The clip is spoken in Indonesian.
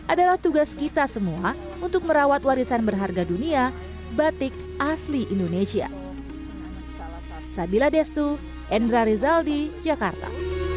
adalah tugas kita semua untuk merawat warisan berharga dunia batik asli indonesia